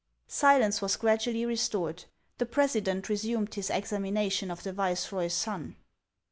Silence was gradually restored. The president resumed his examination of the viceroy's son.